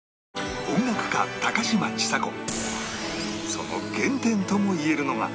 その原点ともいえるのが